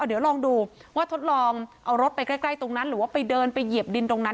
เดี๋ยวลองดูว่าทดลองเอารถไปใกล้ตรงนั้นหรือว่าไปเดินไปเหยียบดินตรงนั้น